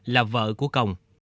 là vợ của công